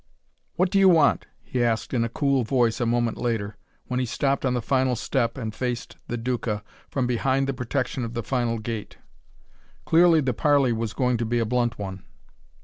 "What do you want?" he asked in a cool voice a moment later, when he stopped on the final step and faced the Duca from behind the protection of the final gate. Clearly the parley was going to be a blunt one.